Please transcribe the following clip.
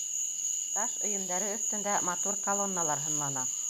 Таш өйөмдәре өҫтөндә матур колонналар һынлана.